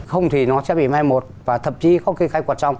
không thì nó sẽ bị mai một và thậm chí không khi khai quản xong